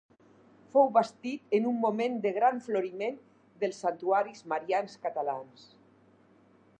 Fou bastit en un moment de gran floriment dels santuaris marians catalans.